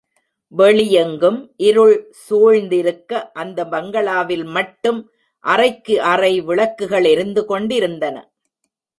வெளி எங்கும் இருள் சூழ்ந்திருக்க, அந்த பங்களாவில் மட்டும் அறைக்கு அறை விளக்குகள் எரிந்து கொண்டிருந்தன.